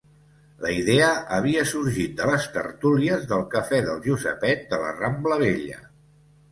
La idea havia sorgit de les tertúlies del Cafè del Josepet de la Rambla Vella.